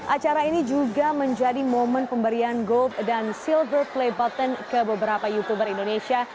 acara ini juga menjadi momen pemberian gold dan silver play button ke beberapa youtuber indonesia